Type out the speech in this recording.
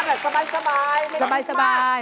มาแบบสบายไม่ต้องมาก